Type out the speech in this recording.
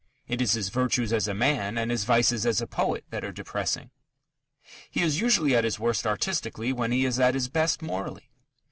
It is his virtues as a man and his vices as a poet that are depressing. He is usually at his worst artistically when he is at his best morally.